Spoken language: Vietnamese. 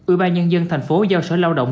ủy ban nhân dân thành phố giao sở lao động